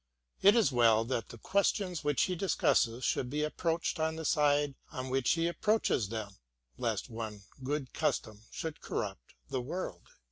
It is well that the questions which he discusses should be approached on the side on which he approaches them lest one good custom should corrupt the world.